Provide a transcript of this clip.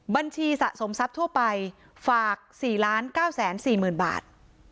บัญชีสะสมทรัพย์ทั่วไปฝาก๔๙๔๐๐๐บาท